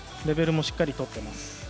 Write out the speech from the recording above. レベルもしっかり取っています。